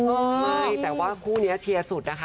ไม่แต่ว่าคู่นี้เชียร์สุดนะคะ